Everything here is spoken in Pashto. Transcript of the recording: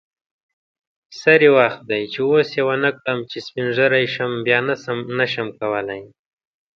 سری وخت دی چی اوس یی ونکړم چی سپین ږیری شم بیا نشم کولی